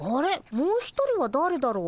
もう一人はだれだろう。